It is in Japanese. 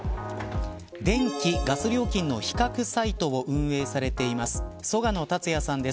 電気ガス料金の比較サイトを運営されています曽我野達也さんです。